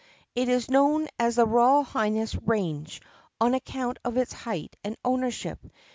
It is known as the Royal Highness Range, on account of its height and ownership.